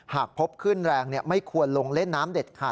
หากพบขึ้นแรงไม่ควรลงเล่นน้ำเด็ดขาด